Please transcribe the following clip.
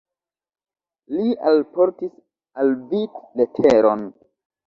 Li alportis al vi leteron.